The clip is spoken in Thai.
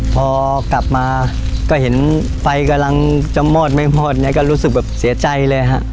พอกลับมาก็เห็นไฟกำลังจะมอดไม่มอดเนี่ยก็รู้สึกแบบเสียใจเลยฮะ